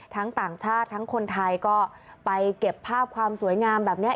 ต่างชาติทั้งคนไทยก็ไปเก็บภาพความสวยงามแบบนี้